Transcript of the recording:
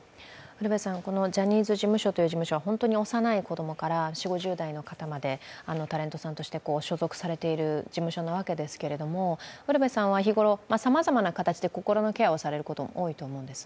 ジャニーズ事務所という事務所は本当に幼い子供さんから４０５０代という方がタレントさんとして所属されている事務所なわけですけども、ウルヴェさんは日頃、さまざまな形で心のケアをされることも多いと思います。